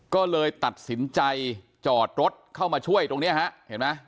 ก็เลยตัดสินใจจอดรถเข้ามาช่วยตรงนี้ฮะเห็นไหม